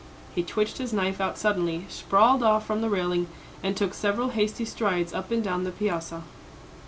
He twitched his knife out suddenly, sprawled off from the railing, and took several hasty strides up and down the piazza.